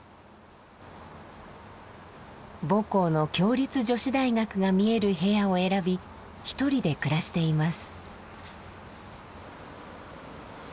母校の共立女子大学が見える部屋を選びひとりで暮らしています。